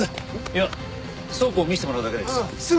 いや倉庫を見せてもらうだけです。